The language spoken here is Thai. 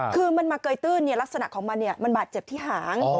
คือมันมาเกยตื้นลักษณะของมันมันบาดเจ็บที่หาง